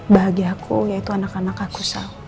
bahagia aku yaitu anak anak aku